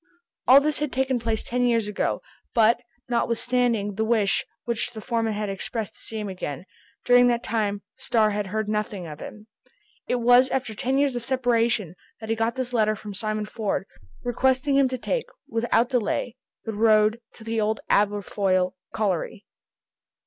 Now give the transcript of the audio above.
All this had taken place ten years ago; but, notwithstanding the wish which the overman had expressed to see him again, during that time Starr had heard nothing of him. It was after ten years of separation that he got this letter from Simon Ford, requesting him to take without delay the road to the old Aberfoyle colliery.